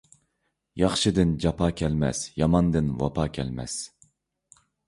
ياخشىدىن جاپا كەلمەس، ياماندىن ۋاپا كەلمەس.